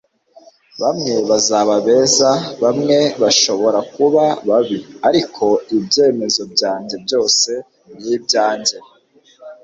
bamwe bazaba beza, bamwe bashobora kuba babi, ariko ibyemezo byanjye byose ni ibyanjye